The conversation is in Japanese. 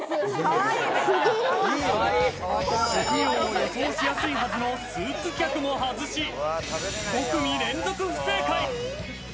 予想しやすいはずのスーツ客も外し、５組連続、不正解。